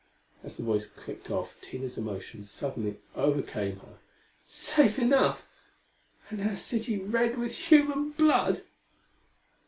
As the voice clicked off Tina's emotion suddenly overcame her. "Safe enough! And our city red with human blood!"